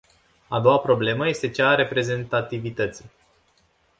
A doua problemă este cea a reprezentativității.